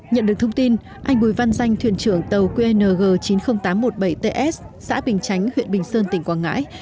nhận được thông tin anh bùi văn danh thuyền trưởng tàu qng chín mươi nghìn tám trăm một mươi bảy ts xã bình chánh huyện bình sơn tỉnh quảng ngãi